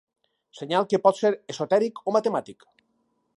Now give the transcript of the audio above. Senyal que pot ser esotèric o matemàtic.